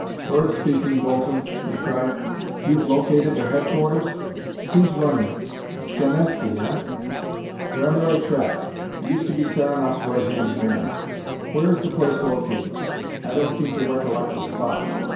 "Bird speaking, Bolton," he cried. "You've located their headquarters? Who's running it? Stanesky, eh? You're on the right track; he used to be Saranoff's right hand man. Where is the place located? I don't seem to recollect the spot.